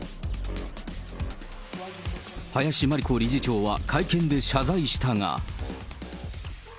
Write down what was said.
林真理子理事長は会見で謝罪したが。